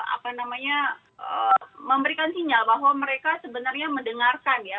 apa namanya memberikan sinyal bahwa mereka sebenarnya mendengarkan ya